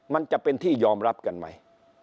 มันจะเป็นที่ยอมรับกันไหม